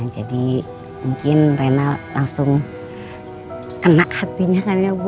jadi mungkin reina langsung kena hatinya kan ya bu